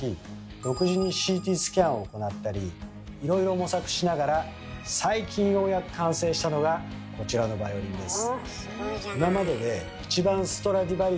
独自にＣＴスキャンを行ったりいろいろ模索しながら最近ようやく完成したのがこちらのバイオリンです。